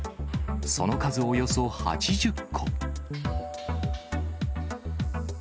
その数およそ８０個。